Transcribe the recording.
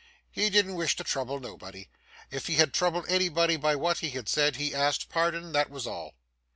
He didn't wish to trouble nobody, and if he had troubled anybody by what he said, he asked pardon, that was all.